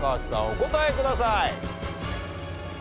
お答えください。